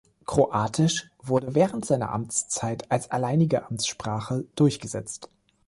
Kroatisch wurde während seiner Amtszeit als alleinige Amtssprache durchgesetzt.